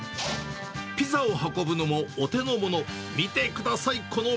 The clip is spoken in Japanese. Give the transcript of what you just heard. ピザを運ぶのもお手のもの。